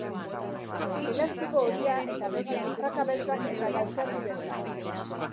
Elastiko horia eta beltza, praka beltzak eta galtzerdi beltzak.